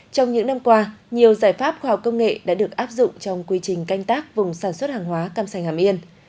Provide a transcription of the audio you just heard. trong những năm qua nhiều giải pháp khoa học công nghệ đã được áp dụng trong quy trình canh tác vùng sản xuất hàng hóa cam sành hàm yên